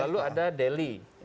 lalu ada delhi